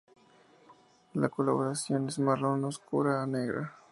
La coloración es marrón oscura a negra.